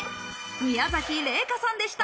宮崎麗果さんでした。